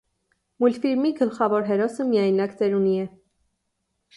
Մուլտֆիլմի գլխավոր հերոսը միայնակ ծերունի է։